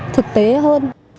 thực tế hơn